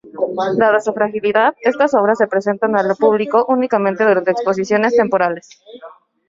Dada su fragilidad, estas obras se presentan al público únicamente durante exposiciones temporales.